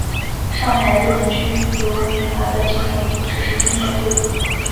上海日本居留民团的基层组织是町内会。